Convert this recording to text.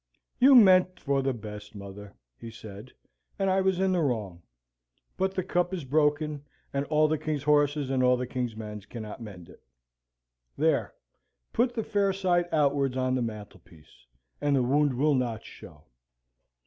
"You meant for the best, mother," he said, "and I was in the wrong. But the cup is broken; and all the king's horses and all the king's men cannot mend it. There put the fair side outwards on the mantelpiece, and the wound will not show."